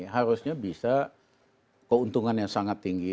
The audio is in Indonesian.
harusnya bisa keuntungannya sangat tinggi